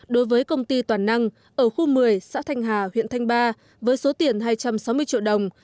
đối với công ty toàn năng ở khu một mươi xã thanh hà huyện thanh ba với số tiền hai trăm sáu mươi triệu đồng